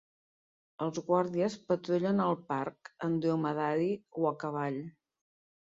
Els guàrdies patrullen el parc en dromedari o a cavall.